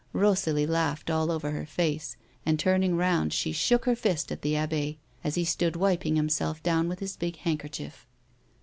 Eosalie laughed all over her face, and turning roimd, she shook her fist at the abbe as he stood wiping himself down with his big handkerchief.